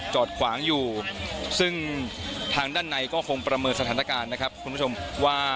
จอดขวางอยู่ซึ่งทางด้านในก็คงประเมินสถานการณ์นะครับคุณผู้ชมว่า